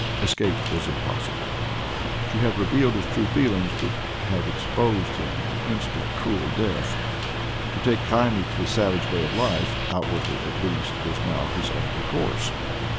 Escape was impossible: to have revealed his true feelings would have ex posed him to instant cruel death. To take kindly to the savage way of life, outwardly at least, was now his only course.